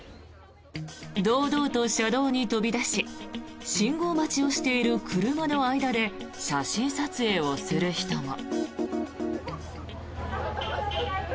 堂々と車道に飛び出し信号待ちをしている車の間で写真撮影をする人も。